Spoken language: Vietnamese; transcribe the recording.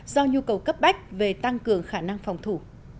do nhu cầu cấp bách về tăng cường khả năng phòng thủ